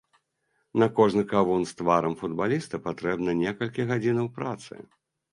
На кожны кавун з тварам футбаліста патрэбна некалькі гадзінаў працы.